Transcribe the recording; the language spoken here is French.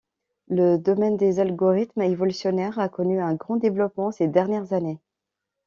Le domaine des algorithmes évolutionnaires a connu un grand développement ces dernières années.